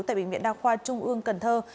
tại bệnh viện đa khoa trung ương cần thơ